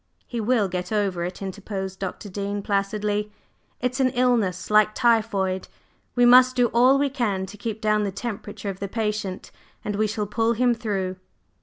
"He will get over it," interposed Dr. Dean placidly. "It's an illness, like typhoid, we must do all we can to keep down the temperature of the patient, and we shall pull him through."